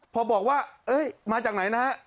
พอบอกว่ามาจากไหนนะฮะ